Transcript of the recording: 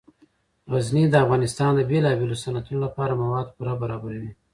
غزني د افغانستان د بیلابیلو صنعتونو لپاره مواد پوره برابروي.